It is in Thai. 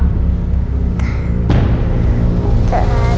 ตัวเลือกที่หนึ่งครับ